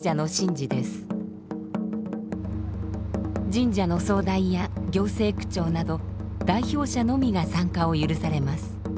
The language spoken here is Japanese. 神社の総代や行政区長など代表者のみが参加を許されます。